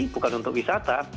bukan untuk wisata